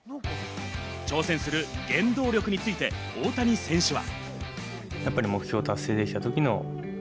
挑戦する原動力について大谷選手は。